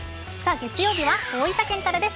月曜日は大分県からです。